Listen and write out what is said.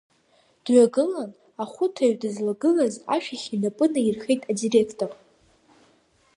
Дҩагылан, ахәыҭаҩ дызлагылаз ашәахь инапы наирхеит адиректор.